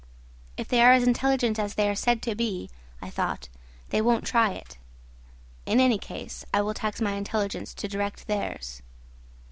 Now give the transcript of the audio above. If they are as intelligent as they are said to be, I thought, they won't try it. In any case, I will tax my intelligence to direct theirs.